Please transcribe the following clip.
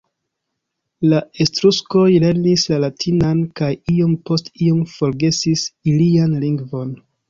La etruskoj lernis la latinan kaj iom post iom forgesis ilian lingvon.